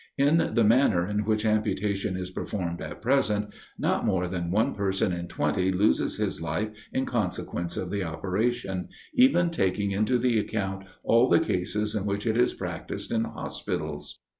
In the manner in which amputation is performed at present, not more than one person in twenty loses his life in consequence of the operation, even taking into the account all the cases in which it is practised in hospitals.